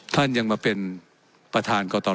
ท่านยังมาเป็นประธานกรต